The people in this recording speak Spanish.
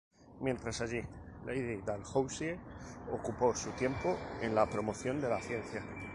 Mientras allí, Lady Dalhousie ocupó su tiempo en la promoción de la ciencia.